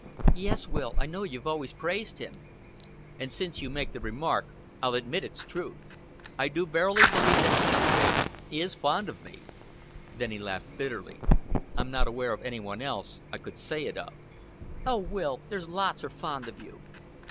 "Yes, Will, I know you've always praised him." "And since you make the remark, I'll admit its truth. I do verily believe that Mr. Bates is fond of me." Then he laughed bitterly. "I'm not aware of any one else I could say it of." "Oh, Will there's lots are fond of you."